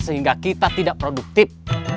sehingga kita tidak produktif